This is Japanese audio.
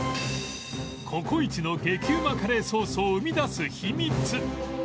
ココイチの激うまカレーソースを生み出す秘密